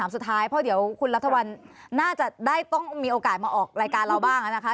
สุดท้ายเพราะเดี๋ยวคุณรัฐวันน่าจะได้ต้องมีโอกาสมาออกรายการเราบ้างนะคะ